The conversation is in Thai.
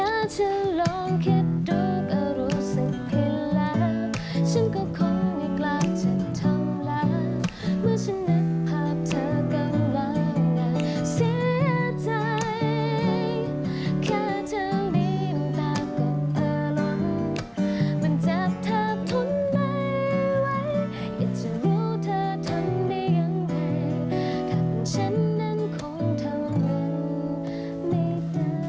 ถ้าเป็นฉันนั้นคงเธอลงไม่ได้